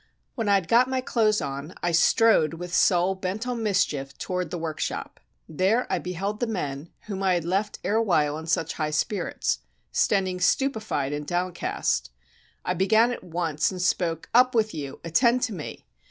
When I had got my clothes on, I strode with soul bent on mischief toward the workshop; there I beheld the men whom I had left erewhile in such high spirits, standing stupefied and downcast. I began at once and spoke: "Up with you! Attend to me!